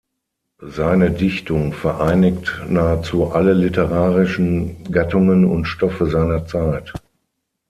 Seine Dichtung vereinigt nahezu alle literarischen Gattungen und Stoffe seiner Zeit.